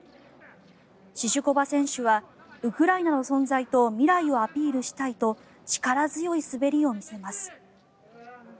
シシュコバ選手はウクライナの存在と未来をアピールしたいと力強い滑りを見せます。